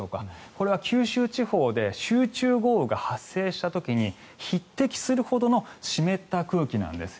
これは九州地方で集中豪雨が発生した時に匹敵するほどの湿った空気なんです。